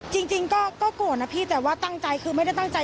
จริงก็โกรธนะพี่แต่ว่าตั้งใจคือไม่ได้ตั้งใจ